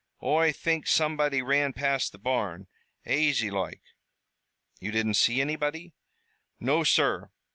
Oi think somebody ran past the barn, aisy loike." "You didn't see anybody?" "No, sur.